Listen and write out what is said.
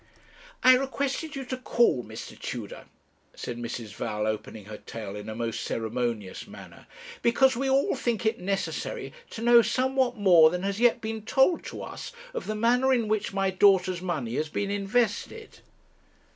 'I requested you to call, Mr. Tudor,' said Mrs. Val, opening her tale in a most ceremonious manner, 'because we all think it necessary to know somewhat more than has yet been told to us of the manner in which my daughter's money has been invested.'